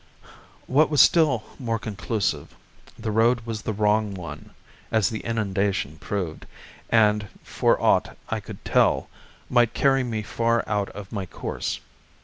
What was still more conclusive, the road was the wrong one, as the inundation proved, and, for aught I could tell, might carry me far out of my course.